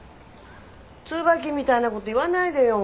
椿みたいなこと言わないでよ。